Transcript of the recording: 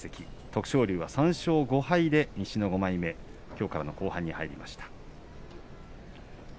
徳勝龍は３勝５敗西の５枚目きょうから後半に入ります。